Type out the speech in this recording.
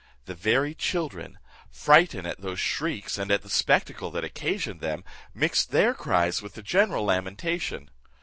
The very children, frightened at those shrieks, and at the spectacle that occasioned them, mixed their cries with the general lamentation.